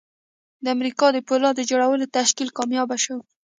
د امریکا د پولاد جوړولو تشکیل کامیاب شو